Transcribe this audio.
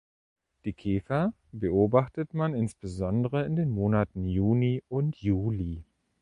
Die Käfer beobachtet man insbesondere in den Monaten Juni und Juli.